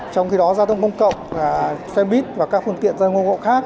trong khi đó gia đông công cộng xe buýt và các phương tiện gia đông công cộng khác